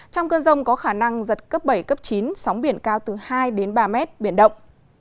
trong cơn rông có khả năng giật cấp bảy cấp chín sóng biển cao từ hai đến ba mét biển động